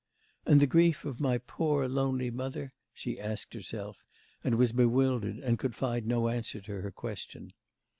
'And the grief of my poor, lonely mother?' she asked herself, and was bewildered, and could find no answer to her question.